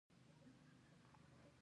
بوټونه کله زر خرابیږي.